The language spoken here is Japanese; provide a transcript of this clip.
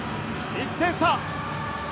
１点差！